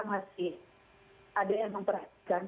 masih ada yang memperhatikan